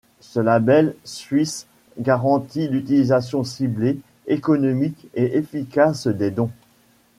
Ce label suisse garantit l'utilisation ciblée, économique et efficace des dons.